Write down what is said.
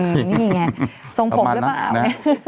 นี่ไงทรงผมหรือเปล่า